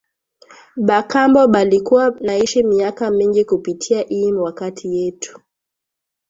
Ba kambo balikuwa naishi myaka mingi kupita iyi wakati yetu